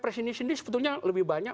perpres ini sendiri sebetulnya lebih banyak